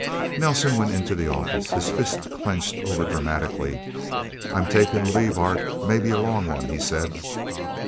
Nelsen went into the office, his fists clenched overdramatically. "I'm taking a leave, Art maybe a long one," he said.